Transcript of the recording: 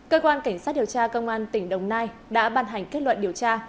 cơ quan cảnh sát điều tra công an tỉnh đồng nai đã ban hành kết luận điều tra